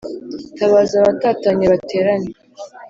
Tabaza abatatanye baterane